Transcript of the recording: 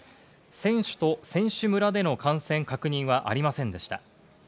選手と選手村での感染確認はありませんでした。